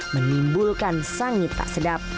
menimbulkan sangit tak sedap